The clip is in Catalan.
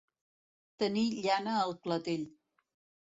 Tenir llana al clatell.